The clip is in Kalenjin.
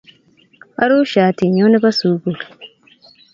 arus shatit nyu nebo sukul